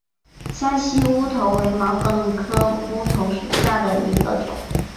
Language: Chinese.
山西乌头为毛茛科乌头属下的一个种。